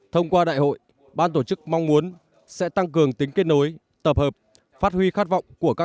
thông qua đại hội ban tổ chức mong muốn sẽ tăng cường tính kết nối tập hợp phát huy khát vọng của các